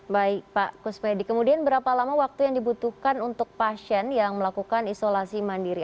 baik pak kusmedi kemudian berapa lama waktu yang dibutuhkan untuk pasien yang melakukan isolasi mandiri